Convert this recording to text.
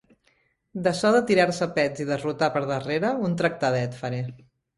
D'açò de tirar-se pets i de rotar per darrere, un tractadet faré.